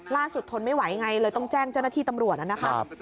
ทนไม่ไหวไงเลยต้องแจ้งเจ้าหน้าที่ตำรวจนะครับ